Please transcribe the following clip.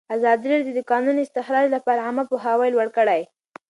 ازادي راډیو د د کانونو استخراج لپاره عامه پوهاوي لوړ کړی.